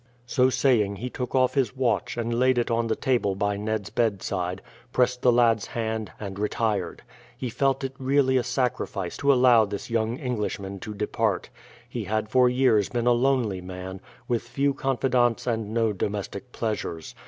So saying he took off his watch and laid it on the table by Ned's bedside, pressed the lad's hand, and retired. He felt it really a sacrifice to allow this young Englishman to depart. He had for years been a lonely man, with few confidants and no domestic pleasures.